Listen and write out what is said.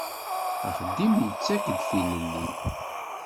Axeddim yettak-d tilelli.